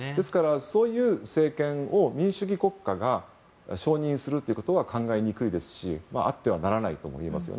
そういう政権を民主主義国家が承認するということは考えにくいですしあってはならないと思います。